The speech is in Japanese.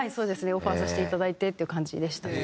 オファーさせていただいてっていう感じでしたね。